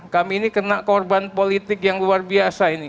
kami ini kena korban politik yang luar biasa ini